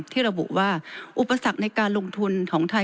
ที่ระบุว่าอุปสรรคในการลงทุนของไทย